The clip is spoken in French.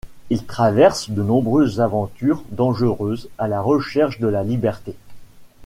Ils traversent de nombreuses aventures dangereuses à la recherche de la liberté.